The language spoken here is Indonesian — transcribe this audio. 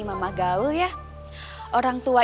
mama gaul ya orang tua